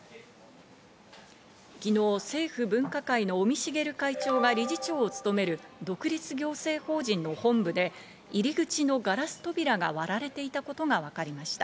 昨日、政府分科会の尾身茂会長が理事長を務める独立行政法人の本部で入り口のガラス扉が割られていたことがわかりました。